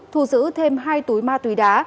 thu giữ thêm hai túi ma túy đá